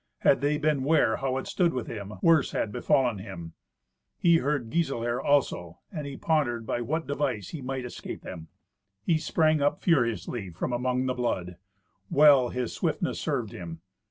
Had they been ware how it stood with him, worse had befallen him. He heard Giselher also, and he pondered by what device he might escape them. He sprang up furiously from among the blood. Well his swiftness served him.